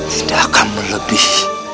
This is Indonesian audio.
tidak akan melebih